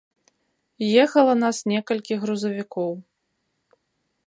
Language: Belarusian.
Ехала нас некалькі грузавікоў.